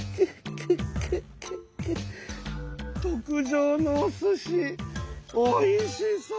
特上のおすしおいしそう！